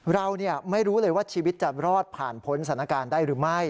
เราไม่รู้เลยว่าชีวิตจะรอดผ่านพ้นสถานการณ์ได้หรือไม่